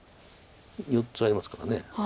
４つありますから。